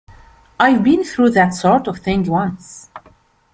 I've been through that sort of thing once.